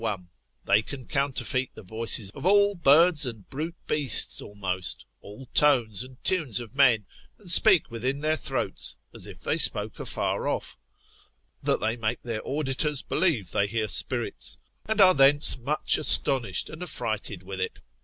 they can counterfeit the voices of all birds and brute beasts almost, all tones and tunes of men, and speak within their throats, as if they spoke afar off, that they make their auditors believe they hear spirits, and are thence much astonished and affrighted with it.